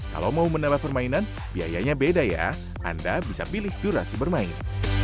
kalau mau menambah permainan biayanya beda ya anda bisa pilih durasi bermain